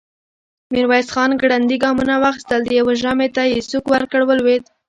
ميرويس خان ګړندي ګامونه واخيستل، د يوه ژامې ته يې سوک ورکړ، ولوېد.